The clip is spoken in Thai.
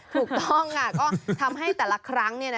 ถูกต้องก็ทำให้แต่ละครั้ง